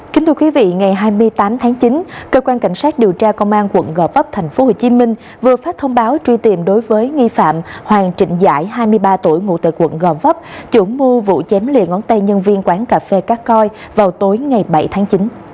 kính thưa quý vị ngày hai mươi tám tháng chín cơ quan cảnh sát điều tra công an quận gò vấp thành phố hồ chí minh vừa phát thông báo truy tìm đối với nghi phạm hoàng trịnh giải hai mươi ba tuổi ngủ tại quận gò vấp chủ mưu vụ chém lìa ngón tay nhân viên quán cà phê cát coi vào tối ngày bảy tháng chín